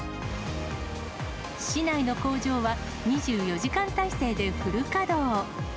市内の工場は２４時間態勢でフル稼働。